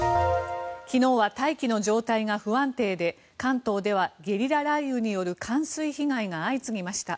昨日は大気の状態が不安定で関東ではゲリラ雷雨による冠水被害が相次ぎました。